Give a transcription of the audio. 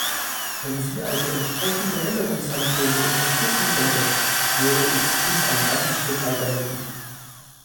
Wenn sie also entsprechende Änderungsanträge unterstützen könnte, würde uns dies ein ganzes Stück weiterhelfen.